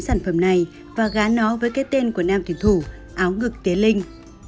sản phẩm này và gán nó với cái tên của nam tuyển thủ áo ngực tiến linh